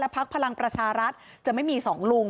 พักพลังประชารัฐจะไม่มีสองลุง